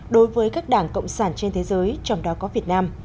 đối với các đảng cộng sản trên thế giới trong đó có việt nam